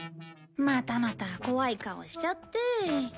またまた怖い顔しちゃって。